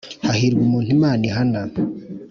Hahirwa umuntu Imana ihana